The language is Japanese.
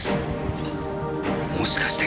あもしかして。